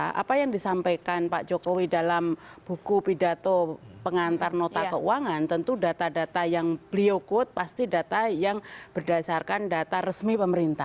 nah apa yang disampaikan pak jokowi dalam buku pidato pengantar nota keuangan tentu data data yang beliau quote pasti data yang berdasarkan data resmi pemerintah